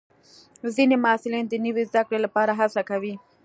ځینې محصلین د نوي زده کړې لپاره هڅه کوي.